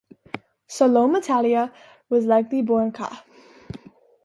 Salom Italia was likely born ca.